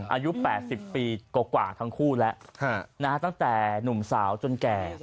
อายุ๘๐ปีกว่าทั้งคู่แล้วตั้งแต่หนุ่มสาวจนแก่